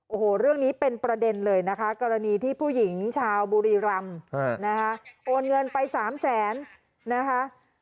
โอ้โหเรื่องนี้เป็นประเด็นเลยนะคะกรณีที่ผู้หญิงชาวบุรีรำนะคะโอนเงินไปสามแสนนะคะ